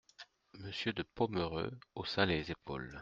Monsieur de Pomereux haussa les épaules.